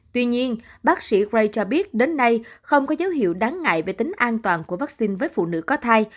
tuy nhiên bác sĩ gray cho biết đến nay không có dấu hiệu đáng ngại về tính an toàn của vaccine với phụ nữ có thai